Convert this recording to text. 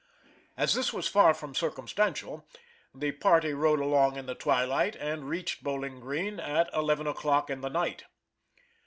As this was far from circumstantial, the party rode along in the twilight, and reached Bowling Green at eleven o'clock in the night.